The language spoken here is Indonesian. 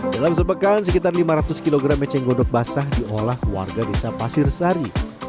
dalam sepekan sekitar lima ratus kg eceng gondok basah diolah warga desa pasir sari